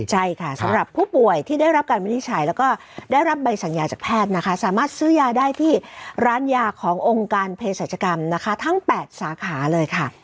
ใช่ค่ะสำหรับผู้ป่วยที่ได้รับการวินิจฉัยแล้วก็ได้รับใบสัญญาจากแพทย์นะคะสามารถซื้อยาได้ที่ร้านยาขององค์การเพศรัชกรรมนะคะทั้ง๘สาขาเลยค่ะ